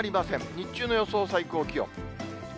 日中の予想最高気温。